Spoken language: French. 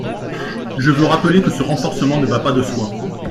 Je veux rappeler que ce renforcement ne va pas de soi.